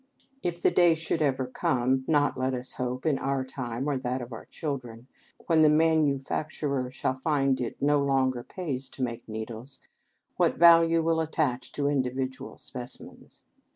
If the day should ever come, not, let us hope, in our time or that of our children, when the manufacturer shall find that it no longer pays to make needles, what value will attach to individual specimens!